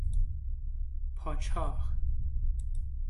پاچاه